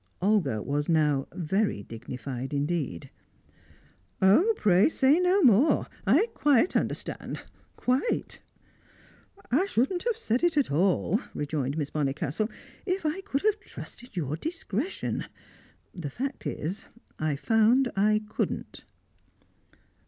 Olga was now very dignified indeed. "Oh, pray say no more I quite understand quite!" "I shouldn't have said it at all," rejoined Miss Bonnicastle, "if I could have trusted your discretion. The fact is, I found I couldn't."